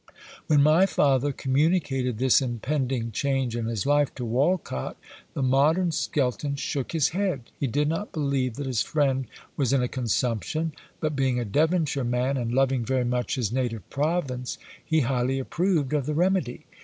When my father communicated this impending change in his life to Wolcot, the modern Skelton shook his head. He did not believe that his friend was in a consumption, but being a Devonshire man, and loving very much his native province, he highly approved of the remedy.